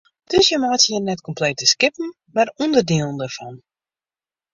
Dus jim meitsje hjir net komplete skippen mar ûnderdielen dêrfan?